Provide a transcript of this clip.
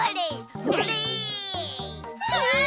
うわ！